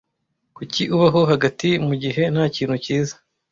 kuki ubaho hagati mugihe ntakintu cyiza